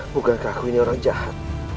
bukankah aku ini orang jahat